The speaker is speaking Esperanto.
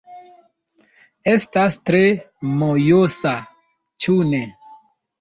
Estas tre mojosa, ĉu ne?